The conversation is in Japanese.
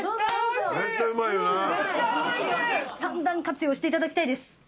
３段活用していただきたいです。